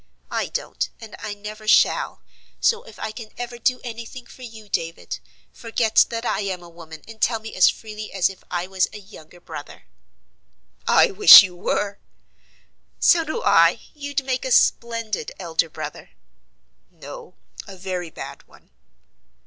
I don't, and I never shall, so if I can ever do any thing for you, David, forget that I am a woman and tell me as freely as if I was a younger brother." "I wish you were!" "So do I; you'd make a splendid elder brother." "No, a very bad one."